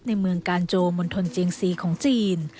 ในเมืองกาญโจมนต์ทนเจียง๔ของจีน